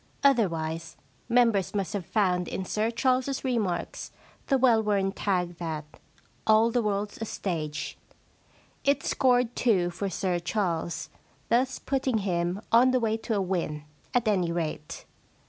Otherwise members must have found in Sir Charles's remarks the well worn tag that * All the world's a stage/ It scored two for Sir Charles, thus putting him on the way to a win, at any rate.